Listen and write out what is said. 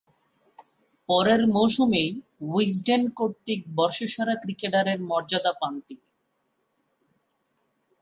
পরের মৌসুমেই উইজডেন কর্তৃক বর্ষসেরা ক্রিকেটারের মর্যাদা পান তিনি।